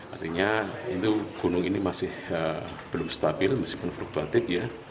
artinya gunung ini masih belum stabil meskipun fluktuatif ya